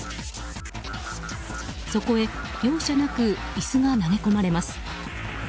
そこへ容赦なく椅子が投げ込まれます。